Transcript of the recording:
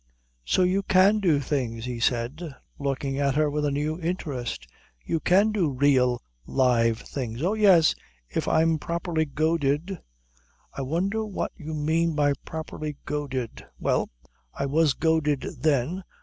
"So you can do things," he said, looking at her with a new interest. "You can do real live things." "Oh, yes. If I'm properly goaded." "I wonder what you mean by properly goaded?" "Well, I was goaded then.